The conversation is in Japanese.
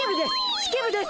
式部です。